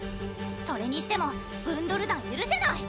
それにしてもブンドル団ゆるせない！